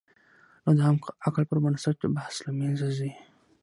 نو د عام عقل پر بنسټ بحث له منځه ځي.